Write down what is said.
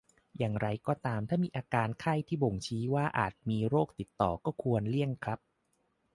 อย่างไรก็ตามถ้ามีอาการไข้ที่บ่งชี้ว่าอาจมีโรคติดต่อได้ก็ควรเลี่ยงครับ